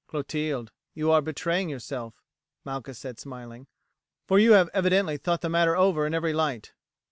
"Clotilde, you are betraying yourself," Malchus said smiling, "for you have evidently thought the matter over in every light.